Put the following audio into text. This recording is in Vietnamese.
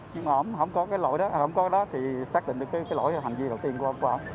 nhưng mà ông không có cái lỗi đó thì xác định được cái lỗi hành vi đầu tiên của ông